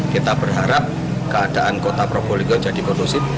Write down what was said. kita berharap keadaan kota probolinggo jadi kondusif